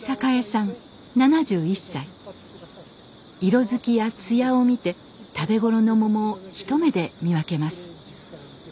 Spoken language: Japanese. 色づきや艶を見て食べ頃のモモを一目で見分けます。